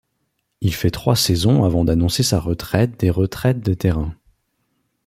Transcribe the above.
Il fait trois saisons avant d'annoncer sa retraite des retraites des terrains.